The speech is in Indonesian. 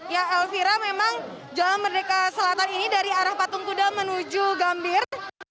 ya elvira memang jalan merdeka selatan ini dari arah patung kuda menuju gambir